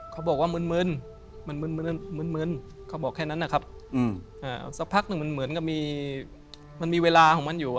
เขาบอกว่ามึนมันมึนมึนเขาบอกแค่นั้นนะครับสักพักหนึ่งมันเหมือนกับมีมันมีเวลาของมันอยู่